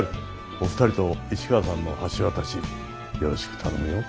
お二人と市川さんの橋渡しよろしく頼むよ。